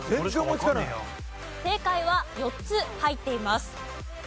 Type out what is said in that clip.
正解は４つ入っています。